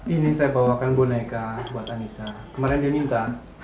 ini saya bawakan boneka buat anissa kemarin dia minta